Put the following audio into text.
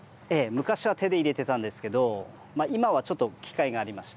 昔は手で入れてたんですけど今はちょっと機械がありまして。